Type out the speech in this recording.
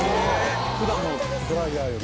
普段のドライヤーより